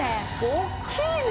大きいね！